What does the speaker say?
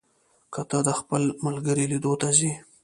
که ته د خپل ملګري لیدو ته ځې،